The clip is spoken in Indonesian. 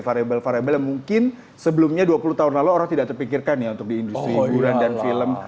variable variable yang mungkin sebelumnya dua puluh tahun lalu orang tidak terpikirkan ya untuk di industri hiburan dan film